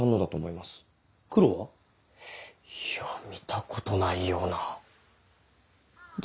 いや見たことないような。